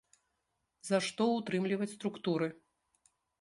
За што ўтрымліваць структуры?